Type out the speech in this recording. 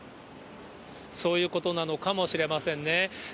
そういうことなのかもしれませんね。